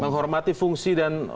menghormati fungsi dan